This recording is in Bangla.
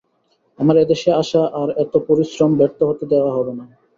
আমার এদেশে আসা, আর এত পরিশ্রম ব্যর্থ হতে দেওয়া হবে না।